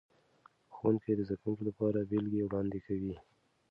ښوونکي د زده کوونکو لپاره بیلګې وړاندې کوي.